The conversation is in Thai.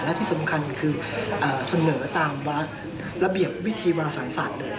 และที่สำคัญคือเสนอตามระเบียบวิธีวรสังศาสตร์เลย